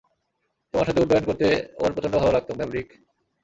তোমার সাথে উড্ডয়ন করতে ওর প্রচণ্ড ভালো লাগতো, ম্যাভরিক।